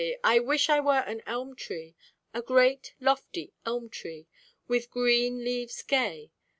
I wish I were an Elm tree, A great lofty Elm tree, with green leaves gay!